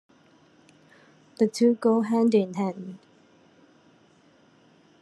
The two go hand-in-hand.